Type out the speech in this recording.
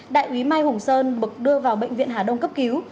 đại úy mai hùng sơn bậc đưa vào bệnh viện hà đông cấp cứu